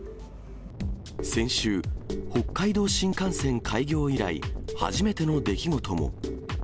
先週、北海道新幹線開業以来、初めての出来事も。